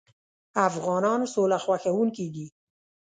افغانان سوله خوښوونکي دي.